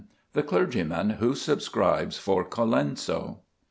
THE CLERGYMAN WHO SUBSCRIBES FOR COLENSO.